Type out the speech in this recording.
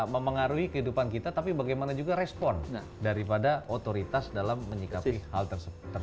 mempengaruhi kehidupan kita tapi bagaimana juga respon daripada otoritas dalam menyikapi hal tersebut